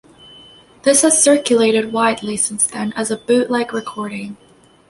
This has circulated widely since then as a bootleg recording.